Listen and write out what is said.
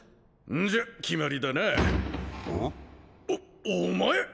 んじゃ決まりだなおお前！